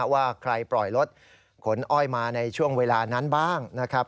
ว่าใครปล่อยรถขนอ้อยมาในช่วงเวลานั้นบ้างนะครับ